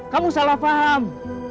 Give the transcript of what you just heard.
kamu salah paham